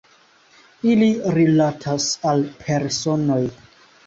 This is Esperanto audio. Ili rilatas al personoj.